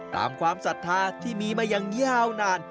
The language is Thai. ตามความศรัทธาที่มีมายังยาวนาน